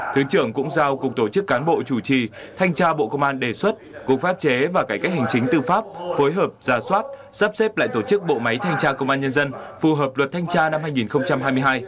thứ trưởng cũng giao cục tổ chức cán bộ chủ trì thanh tra bộ công an đề xuất cục pháp chế và cải cách hành chính tư pháp phối hợp ra soát sắp xếp lại tổ chức bộ máy thanh tra công an nhân dân phù hợp luật thanh tra năm hai nghìn hai mươi hai